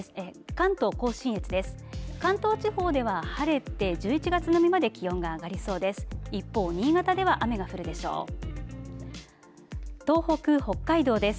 関東地方では晴れて、１１月並みまで気温が上がりそうです。